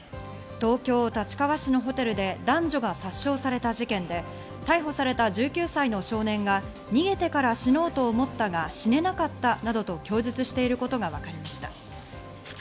東京・立川市のホテルで男女が殺傷された事件で逮捕された１９歳の少年が逃げてから死のうと思ったが、死ねなかったなどと供述していることがわかりました。